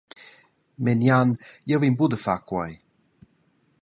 Menian, jeu vegnel buca da far quei.